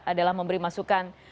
adalah memberi masukan